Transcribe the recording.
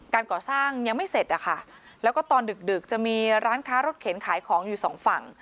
ก่อสร้างยังไม่เสร็จอะค่ะแล้วก็ตอนดึกดึกจะมีร้านค้ารถเข็นขายของอยู่สองฝั่ง